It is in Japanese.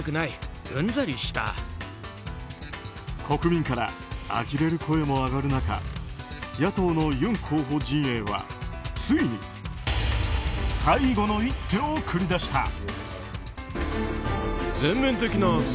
国民からあきれる声も上がる中野党のユン候補陣営はついに最後の一手を繰り出した。